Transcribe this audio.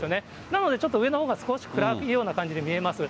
なので上のほうが少し暗いような感じで見えます。